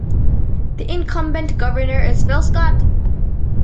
The incumbent governor is Phil Scott.